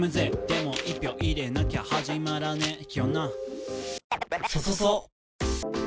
「でも１票入れなきゃ始まらねーよな」